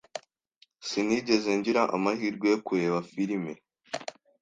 Sinigeze ngira amahirwe yo kureba firime.